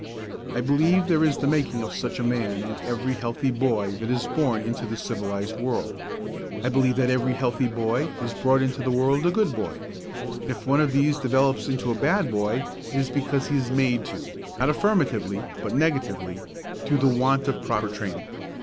I believe there is the making of such a man in every healthy boy that is born into the civilised world. I believe that every healthy boy is brought into the world a good boy. If one of these develops into a bad boy it is because he is made to; not affirmatively, but negatively through the want of proper training.